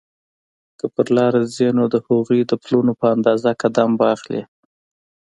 که پر لاره ځې نو د هغوی د پلونو په اندازه قدم به اخلې.